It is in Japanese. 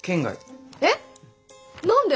えっ何で？